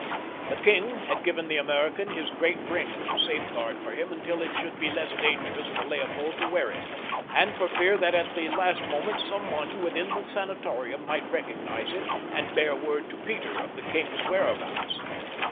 The king had given the American his great ring to safeguard for him until it should be less dangerous for Leopold to wear it, and for fear that at the last moment someone within the sanatorium might recognize it and bear word to Peter of the king's whereabouts.